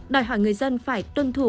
đòi hỏi người dân phải tuân thủ